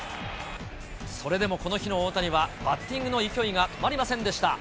それでもこの日の大谷は、バッティングの勢いが止まりませんでした。